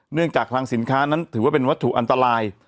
จากคลังสินค้านั้นถือว่าเป็นวัตถุอันตราย